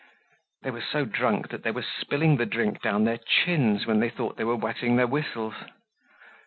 They were so drunk that they were spilling the drink down their chins when they thought they were wetting their whistles.